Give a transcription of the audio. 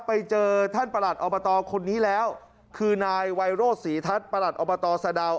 ไปเจอท่านประหลัดอบตคนนี้แล้วคือนายไวโรศรีทัศน์ประหลัดอบตสะดาว